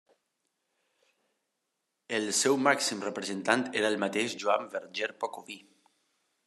El seu màxim representant era el mateix Joan Verger Pocoví.